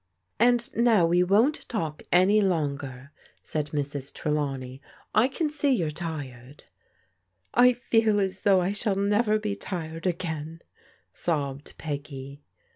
"And now we won't talk any longer," said Mrs. Tre lawney. " I can see you're tired." " I feel as though I shall never be tired again," sobbed Peggy.